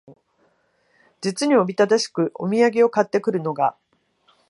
実におびただしくお土産を買って来るのが、